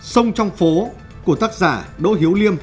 sông trong phố của tác giả đỗ hiếu liêm